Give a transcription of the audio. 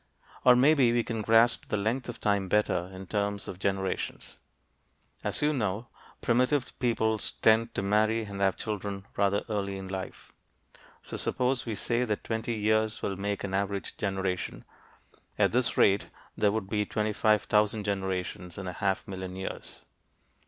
Or maybe we can grasp the length of time better in terms of generations. As you know, primitive peoples tend to marry and have children rather early in life. So suppose we say that twenty years will make an average generation. At this rate there would be 25,000 generations in a half million years.